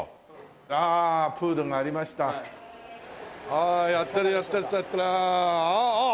ああやってるやってるやってる。ああ！